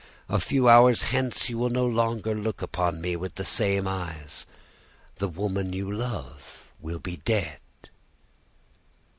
A few hours hence you will no longer look upon me with the same eyes, the woman you love will be dead.